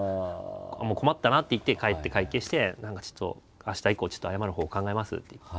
困ったなって言って帰って会計して何かちょっと明日以降謝る方法考えますって言って。